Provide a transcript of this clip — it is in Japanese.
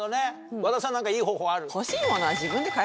和田さん何かいい方法ある？